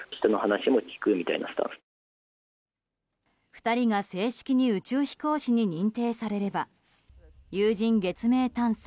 ２人が正式に宇宙飛行士に認定されれば有人月面探査